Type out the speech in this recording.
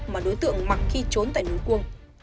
mà đối tượng mặc khi trốn tại núi cuông